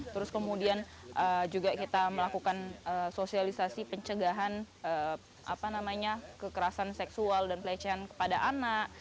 terus kemudian juga kita melakukan sosialisasi pencegahan kekerasan seksual dan pelecehan kepada anak